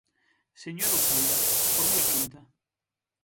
Señora Uceira, formule a pregunta.